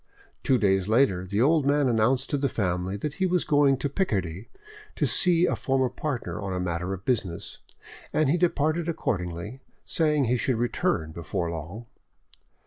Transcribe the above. Two days later the old man announced to the family that he was going to Picardy to see a former partner on a matter of business, and he departed accordingly, saying he should return before long.